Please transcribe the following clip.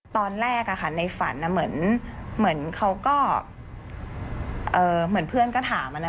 ตอนแรกในฝันเหมือนเขาก็เหมือนเพื่อนก็ถาม